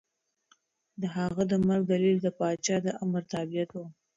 د هغه د مرګ دلیل د پاچا د امر تابعیت و.